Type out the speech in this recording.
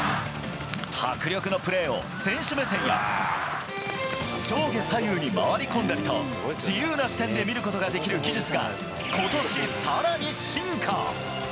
迫力のプレーを選手目線や上下左右に回り込んでと、自由な視点で見ることができる技術が、ことしさらに進化。